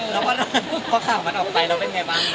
แล้วก็พอข่าวมันออกไปแล้วเป็นไงบ้าง